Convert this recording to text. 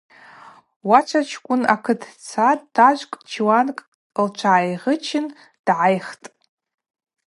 Уачвачкӏвын акыт дцатӏ, тажвкӏ чуанкӏ лчвгӏайгъычын дгӏайхтӏ.